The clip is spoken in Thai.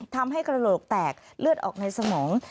ทำให้กระโหลกแตกเลือดออกในสมอง